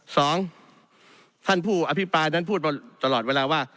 สองท่านผู้อภิปรายนั้นพูดมาตลอดเวลาว่า